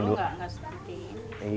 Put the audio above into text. dulu nggak seperti ini